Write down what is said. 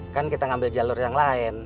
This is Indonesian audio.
kan kita ngambil jalur yang lain